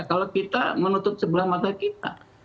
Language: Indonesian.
kalau kita menutup sebelah mata kita